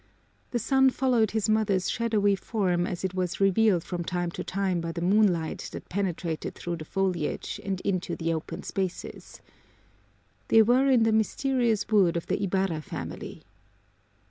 The son followed his mother's shadowy form as it was revealed from time to time by the moonlight that penetrated through the foliage and into the open spaces. They were in the mysterious wood of the Ibarra family.